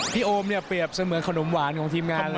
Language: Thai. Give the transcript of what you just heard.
พี่โอมเปรียบเสมือนขนมหวานของทีมงานเลยนะ